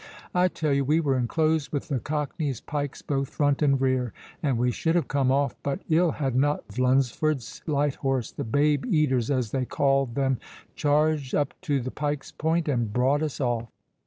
I tell you we were enclosed with the cockneys' pikes both front and rear, and we should have come off but ill had not Lunford's light horse, the babe eaters, as they called them, charged up to the pike's point, and brought us off."